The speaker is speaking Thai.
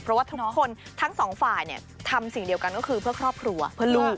เพราะว่าทุกคนทั้งสองฝ่ายทำสิ่งเดียวกันก็คือเพื่อครอบครัวเพื่อลูก